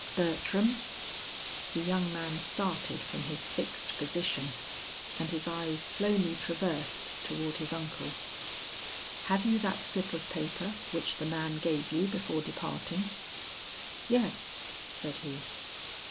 "Bertram?" The young man started from his fixed position, and his eyes slowly traversed toward his uncle. "Have you that slip of paper which the man gave you before departing?" "Yes," said he.